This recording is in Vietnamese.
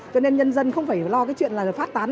cho nên nhân dân không phải lo cái chuyện là phát tán